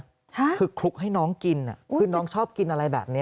ค่ะคือคลุกให้น้องกินคือน้องชอบกินอะไรแบบนี้